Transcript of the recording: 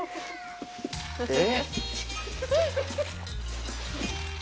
えっ？